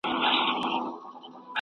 سوال جواب د اور لمبې د اور ګروزونه.